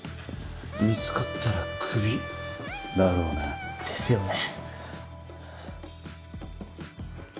見つかったらクビだろうな。ですよね。